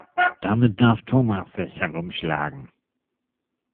Damit darf Thomas sich herumschlagen.